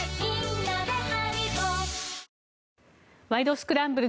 スクランブル」